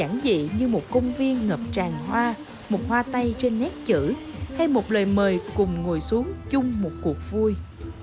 giản dị như một công viên ngập tràn hoa một hoa tay trên nét chữ hay một lời mời cùng ngồi xuống chung một cuộc vui